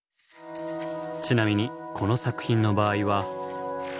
ちなみにこの作品の場合は。